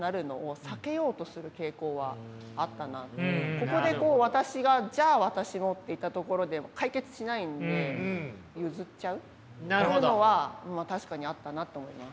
ここで私が「じゃあ私も！」って言ったところで解決しないんで譲っちゃうっていうのは確かにあったなと思います。